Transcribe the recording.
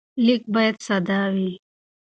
لیک باید ساده وي.